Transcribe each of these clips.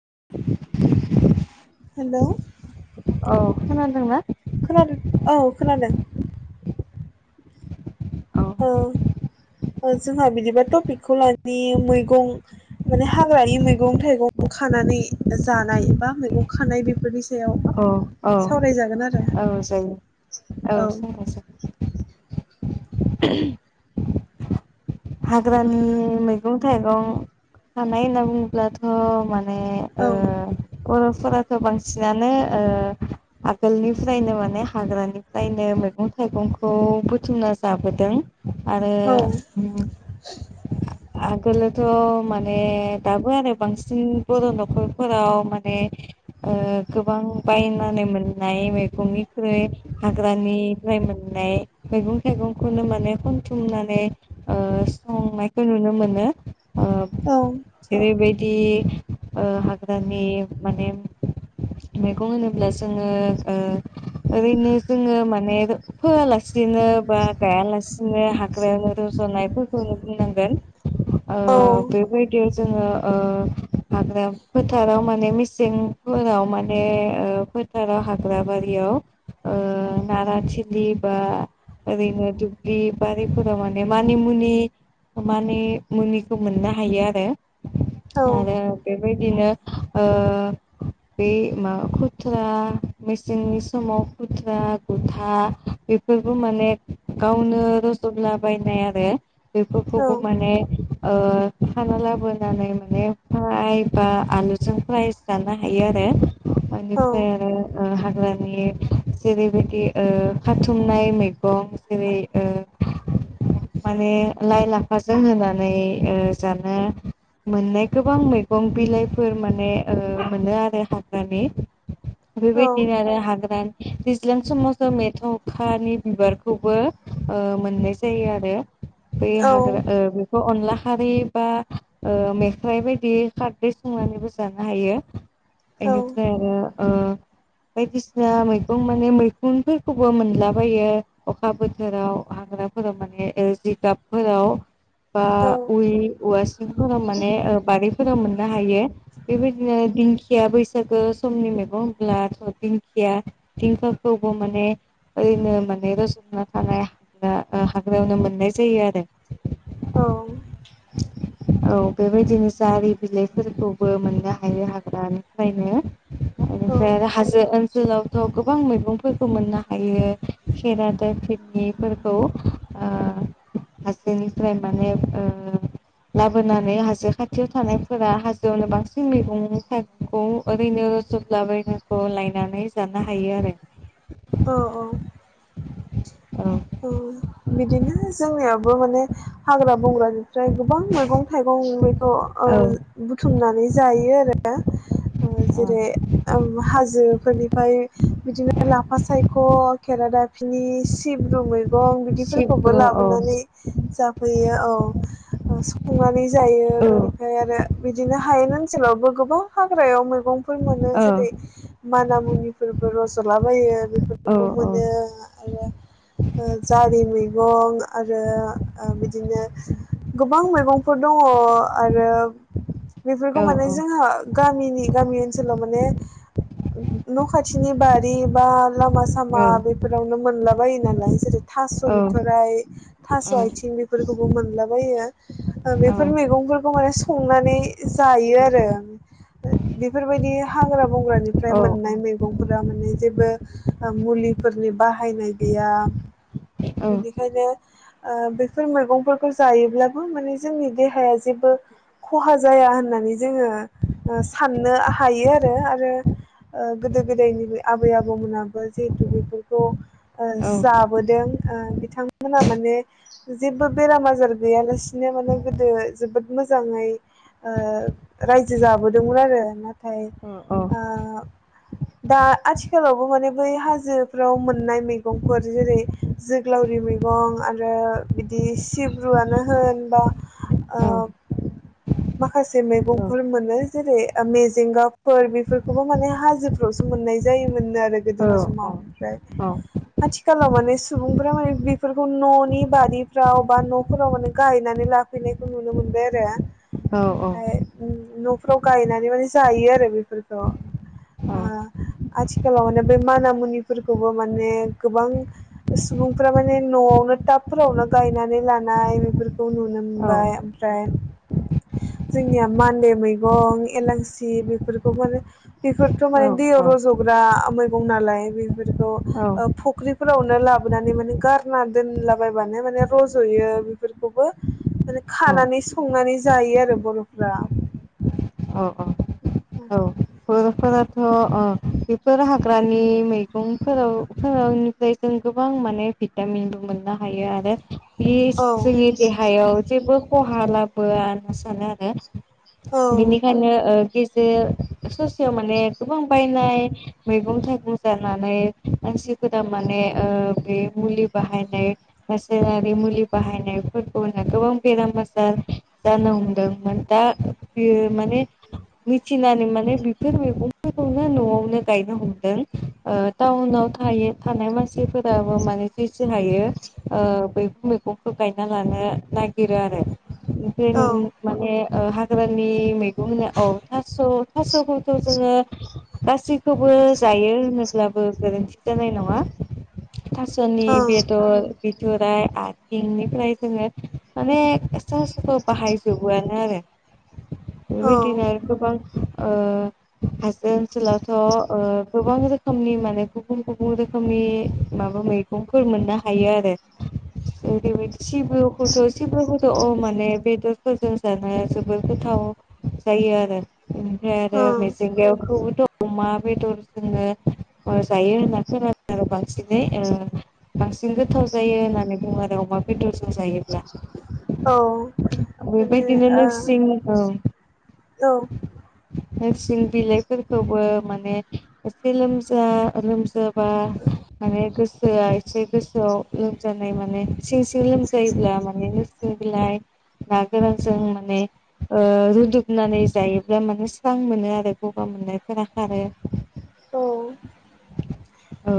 [inaudible] हेल' औ खोनादोंना? खोनादों औ खोनादों। औ ओ जोंहा बिदिबा टपिकखौ लानि मैगं माने हाग्रानि मैगं थाइगं खानानै जानाय बा मैगं खानाय बेफोरनि सोम औ औ औ जायो औ जायो जायो। ओहम हाग्रानि मैगं थाइगं हानाय होनना बुङोब्लाथ' माने ओ माने ओ [unintelligible] फोरथ' बांसिनानो ओ आगोलनिफ्रायनो माने हाग्रानिफ्रायनो मैगं थाइगंखौ बुथुमना जाबोदों। आरो औ उम्म [inaudible] आगोलोथ' माने दाबो आरो बांसिन बर' न'खरफोराव माने ओ गोबां बायनानै मोननाय मैगंनिख्रुइ हाग्रानिफ्राय मोननाय मैगं थाइगंखौनो माने खनथुमनानै ओ संनायखौ नुनो मोनो। अ जेरै बादि बि ओ हाग्रानि माने मैगं होनोब्ला जोङो ओ ओरैनो जोङो माने फोआलासेनो बा गायालासेनो हाग्रायावनो रजनाय फोरखो मोनो बुंनांगोन। ओ बेबायदियाव ज जोङो ओ हाग्रा फोथाराव माने मेसेंफोराव माने ओ फोथाराव हाग्रा बारियाव ओ नाराथिलि बा ओरैनो दुब्लि बारिफोराव माने मानिमुनि माने मुनिखौ मोननो हायो आरो। औ आरो बे बेबायदिनो ओ बे माबा खुथ्रा मेसेंनि समाव खुथ्रा गुथा बेफोरबो माने गावनो रज'लाबायनाय आरो बेफोरखौबो माने ओ खाना लाबोनानै माने फ्राइ बा आलुजों प्राइज जानो हायो आरो। औ ओनिफ्राय आरो ओ हाग ब्लानि जेरैबायदि ओ खाथुमनाय मैगं जेरै ओ माने लाइ लाफाजों होनानै ओ जानो मोननाय गोबां मैगं बिलाइफोर माने ओ मोनो आरो हाग्रानि औ बेबादि आरो हाग्रा दैज्लां समाव जों मेथंखानि बिबारखौबो ओ मोननाय जायो आरो। बे औ हाग्रा ओ बे अनला खारै बा ओ मेख्राइ बायदि खारदै संनानैबो जानो हायो बेनिफ्राय आरो ओ बायदिसिना मैगं माने मैखुनफोरखौबो मोनलाबायो अखा बोथोराव हाग्राफोराव माने जि गाबफोराव बा उइ वासिंफराव माने बारि फोराव मोननो हायो बेबायदिनो दिंखिया बैसागो समनि मैगं होनब्लाथ दिंखिया दिंखिखौबो माने ओरैनो माने रज'ना थानाय हाग्रा हाग्रायावनो मोननाय जायो आरो। औ औ बेबायदिनो जारि बिलाइफोरखौबो मोननो हायो हाग्रानिफ्रायनो। बेनिफ्राय आरो हाजो ओनस सोलावथ गोबां मैगंफोरखौ मोननो हायो खेरा दफिनिफोरखौ ओ हाजोनिफ्राय माने ओ लाबोनानै हाजो खाथियाव थानायफोरा हाजोआवनो बांसिन मैगं थाइगंखौ ओरैनो रजलाबायखौ लायनानै जानो हायो आरो। ओ औ आरो औ बिदिनो जोंनियाबो माने हाग्रा बंग्रा फ्राय गोबां मैगं थाइगं ओमफ्राय ओ ओम बुथुमनानै जायो आरो। [unintelligible] ओ औ जेरै ओम हाजोफोरनि ओमफाय बिदिनो लाफा सायख केेरादाफिनि सिब [unintelligible] मैगं बिदिफोरखौबो सिब्रु औ लाबोनानै जाफैयो। औ संनानै जायो बिनिफ्राय आरो बिदिनो हायेन ओनसोलावबो गोबां हाग्रायाव मैगं फोर मोनो औ जेरै माना मुनि फोरबो रज'ला बायो। औ बेफोरखौबो मोनो आरो ओ जारि मैगं आरो ओ बिदिनो गोबां मैगंफोर दङ आरोब औ बेफोरखौ माने जोंहा गामिनि गामि ओनसोलाव माने न' खाथिनि बारि बा लामा स सामा औ बेफोरावनो मोनला बायोनालाय जेरै थास' औ औ बिथ'राय थास' औ आइथिं बेफोरखौबो मोनलाबायो ओ बेफोर मैगंफोरखौ माने संनानै जायो आरो बेफोरबायदि हाग्रा बंग्रानिफ्राय मोननाय मैगंफोरा माने जेबो मुलिफोरनि बाहायनाय गैया। बेनिखायनो ओ बेफोर मैगंफोरखौ जायोब्लाबो माने जोंनि देहाया जेबो खहा जाया होननानै जोङो ओ साननो हायो आरो आरो ओ गोदो गोदायनि आबै आबौमोनाबो जिहेथु बेफोरखौ ओ जाबोदों। ओ बिथांमोनहा माने जेबो बेराम आजार गैयालासिनो माने गोदो जोबोद मोजाङै ओ रायजो जाबोदोंमोन आरो नाथाय ओ दा आथिखालावबो माने बै हाजोफ्राव मोननाय मैगंफोर जेरै जोग्लावरि मैगं आरो बिदि सिब्रुआनो होन बा ओ माखासे मैगंफोर औ मोनो जेरै ओ मेजेंगाफोर बेफोरखौबो माने हाजोफ्रावसो मोननाय जायो। मोन आरो गोदोनि समाव ओमफ्राय आथि खालाव माने सुबुंफोरा माने बेफोरखौ न'नि बारिफ्राव बा न'फोराव माने गायनानै लाफैनायखौ नुनो मोनबाय आरो ओमफाय उम न'फ्राव गायनानै माने जायो आरो बेफोरखौ ओ आथिखालाव माने बे माना मुनिफोरखौबो माने गोबां सुबुंफ्रा माने न'आवनो टाबफोरावनो गायनानै लानाय बेफोरखौ नुनो मोनबाय ओमफ्राय जोंनिया मान्दे मैगं एलानसि बेफोरखौबो माने बेफोरथ' माने दैयाव रज'ग्रा मैगं नालाय बेफोरखौ ओ फुख्रिफोरावनो लाबोनानै माने गारना दोनलाबायबानो माने रज'यो बेफोरखौबो माने खानानै संनानै ज जायो आरो बर'फ्रा ओ फोराथ' ओ बेफोर हाग्रानि मैगंफोराव फोरावनिफ्राय जों गोबां माने भिटामिनबो मोननो हायो आरो बिदिस औ जोंनि देहायाव जेबो खहा लाबोआ होनना सानो आरो औ बेनिखायनो ओ एजे सोस थियाव माने गोबां बायनाय मैगं थाइगं जानानै मानसिफोरा माने ओ बे मुलि बाहायनाय रासायनारि मुलि बाहायनायफोरखौनो गोबां बेराम आजार जानो हमदोंमोन दा बेयो माने मिथिनानै माने बेफ फोर मैगंफोरखौनो न'आवनो गायनो हमदों ओ टाउनाव थायो थानाय मानसिफोराबो माने जेसे हायो ओ बैफोर मैगंखौ गायना लानो नायगिरो आरो ओमफाय नोङो माने ओ हा ग्रानि मैगं होनो औ थास' थास'खौ खौ जोङो गासैखौबो जायो होनोब्लाबो गोरोन्थि जानाय नङा। थास'नि औ बेदर बिथ'राइ आथिंनिफ्राय जोङो माने सा सुखौ बाहायजोबोआनो आरो औ बेबायदिनो गोबां ओ हाजो ओनसोलावथ' ओ गोबां रोखोमनि माने गुबुन गुबुन रोखोमनि माबा मैगंफोर मोननो हायो आरो ओरै बायदि सिबखौथ' सिबुखौथ' अ माने बेदरफोरजों जानाय जोबोर गोथाव जायो आरो ओमफ्राय औ आरो मेस जिंगायावखौबोथ' अमा बेदर जोंनो ओ जायो होनना खोनादों आरो बांसिनै ओ बांसिन गोथाव जायो होननानै बुङो आरो अमा बेदरजों जायोब्ला। औ माने बेबायदिनो नोरसिं औ ओ औ नोरसिं बिलाइफोरखौबो माने एसे लोमजा लोमजाब बा माने गोस सोआ एसे गोसोआव लोमजानाय माने सिं सिं लोमजायोब्ला माने नोरसिं बिलाइ ना गोरानजों माने ओ रुदुबनानै जायोब्ला माने स्रां मोनो आरो गगा मोननायफोरा खारो औ औ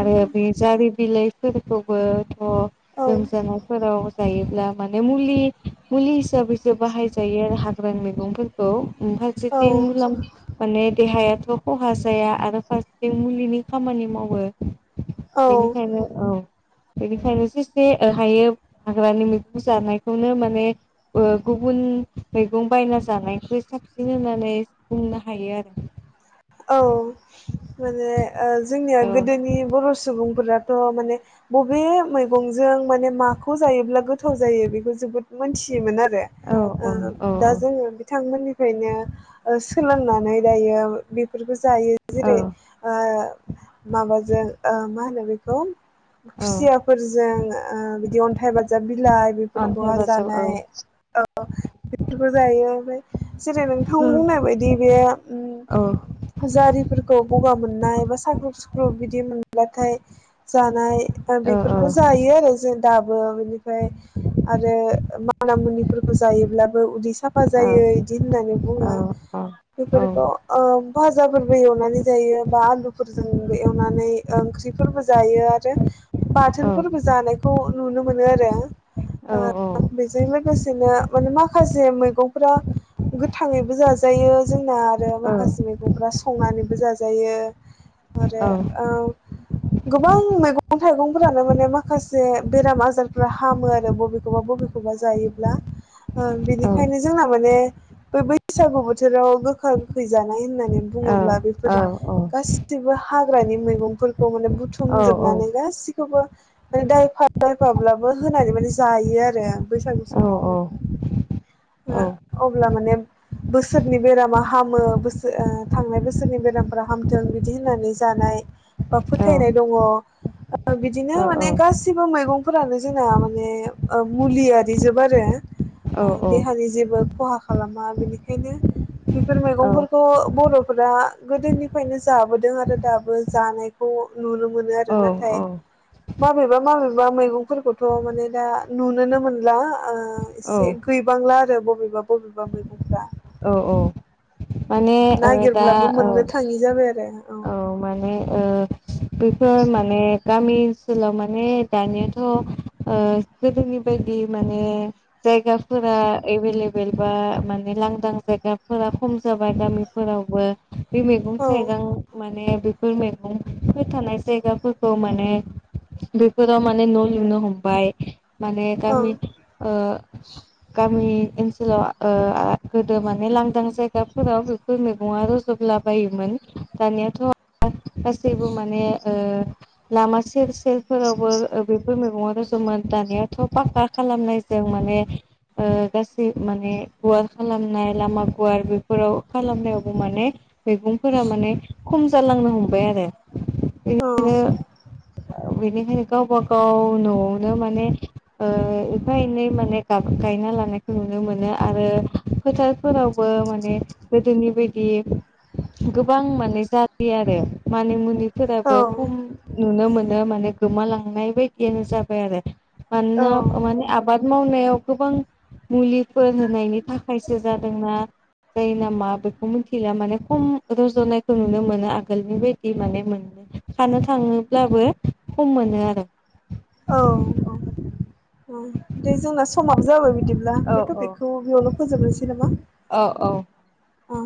आरो बे जारि बिलाइफोरखौबोथ' औ लोमजानायफोराव जायोब्ला माने मुलि मुलि हिसाबैसो बाहायजायो आरो हाग्राानि मैगंफोरखौ फारसेथिं औ मुलाम माने देहायाथ' खहा जाया आरो फार [unintelligible] मुलिनि खामानि मावो औ बेनिखायनो औ बेनिखायनो जेसे ओ हायो हाग्रानि मैगं जानायखौनो माने ओ गुबुन मैगं बायना जानायनिक्रुइ साबसिन होननानै बुंनो हायो आरो औ माने ओ जोंनिया आरो गोदोनि बर' सुबुंफोराथ' माने बबे मैगंजों माने माखौ जायोब्ला गोथाव जायो बेखौ ज जोबोद मोनथियोमोन आरो औ ओ औ दा औ जोङो बिथांमोननिफ्रायनो ओ सोलोंनानै दायो बेफोरखौ ज जायो जेरै औ ओ माबाजों ओ मा होनो बेखौ औ खुसियाफोरजों ओ बिदि अन्थाय बाजाब अन्थाइ बाजाब औ बि [unintelligible] [unintelligible] जेरै नोंथां बुंनाय बायदि बे जारिफोरखौ गगा मोननाय बा साख्रब सुख्रब बिदि मोनबाथाय जानाय ओ बेफोरखौ जायो आरो जेन दाबो बेनिफ्राय आरो मानामुनिफोरखौ जायोब्लाबो उदै सा फा जायो बिदि होननानै बुङो बेफोरखौ ओ फाजाफोरबो एवनानै जायो बा आलुफोरजोंबो एवनानै ओंख्रि फोरबो जायो आरो बाथोनफोरबो जानायखौ नुनो मोनो आरो ओ बेजों लोगोसेनो माने माखासे मैगंफोरा गोथाङैबो जाजायो जोंना आरो माखासे मैगंफ्रा संनानैबो जाजायो आरो ओ गोबां मैगं थाइगं फोरानो माने माखासे बेराम आजारफ्रा हामो आरो बबेखोबा बबेखोबा जायोबा ओ बेनिखायनो जोंहा माने बे बैसागो बोथोराव गोखा गोखै जानाय हो होनना बुङोब्ला बेफोर गासिबो हाग्रानि मैगंफोरखौ माने बुथ औ थुमजोबनानै गासिब खौबो दायया दायफाब्लाबो होनानै माने जायो आरो बैसागु औ समाव अब्ला माने बोसोरनि बेरामा हामो बोसोर थांनाय बोसोरनि बेरामफोरा हामथों बिदि होन्नानै जानाय बा फोथायनाय दङ ओ बिदिनो माने गासैबो मैगं फोरानो जोंना माने मुलियारि जोब आरो ओ देहानि जेबो खहा खालाम बिनिखायनो बेफोर मैगं फोरखौ बर फो फोरा गोदोनिफ्रायनो जाबोदों आरो दाबो जानायखौ नुनो मोनो आरो नाथाय माबेबा माबेबा मैगंफोरखौथ माने दा नुनोनो मोनला ओ इसे गैबांला आरो बबेबा बबेबा मैगंफ्रा औ औ माने ओ अब्लाबो मोननो थाङि जाबाय आरो औ माने ओ बेफोर माने गामि ओनसोला माने दानियाथ ओ जेबो रोङिबायदि माने जायगाफोरा एबेल एबेल बा माने लांदां जायगाफोरा खम जाबाय गामिफोराव बो बे मेगं औ थाइगां माने फोर मैगंफोर थानाय जायगाफोरखौ माने बेफोराव माने न' लुनो हमबाय। माने औ गामि ओ गामि ओनसोलाव ओ आ गोदो माने लांदां जायगाफोराव बेफोर मैगंफोरा रज'दला बायोमोन दानियाथ' [unintelligible] गासैबो माने ओ लामा सेर सेर फोरावबो ओ बेफोर मेगंआ दंस'मोन दानियाथ' पाक्का खालामनायजों माने ओ गासै माने गुवार खालामनाय लामा गुवार बेफोराव खालामनायावबो माने मेगंफोरा माने खम जालांनो हमबाय आरो औ बेनिखायनो बेनिखायनो गावबा गाव न'आवनो माने ओ एफा एनै माने गाब गायना लानायखौ नुनो मोनो आरो फोथारफोरावबो माने गोदोनि बायदि गोबां माने जा बि आरो औ मानिमुनिफोराबो खम नुनो मोनो माने गोमालांनाय बायदियानो जाबाय आरो औ मानोना माने आबाद मावनायाव गोबां मुलिफोर होनायनि थाखायसो जादोंना ना जायो नामा बेखौ मिथिला खम रज'नायखौ नुनो नुनो मोनो आगोलनि बायदि माने मोन खानो थाङोब्लाबो खम मोनो आरो। औ औ। ओम दे जोंना समाबो जाबाय बिदिब्ला औ बे औ टपिकखौ बेयावनो फोजोबनोसै नामा? औ औ औ